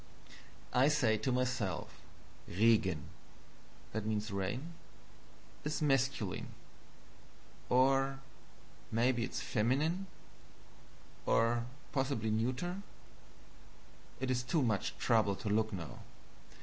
I say to myself, "REGEN (rain) is masculine or maybe it is feminine or possibly neuter it is too much trouble to look now.